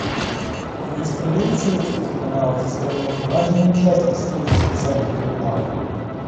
Юриспруденция этих трибуналов составляет важную часть наследия специальных трибуналов.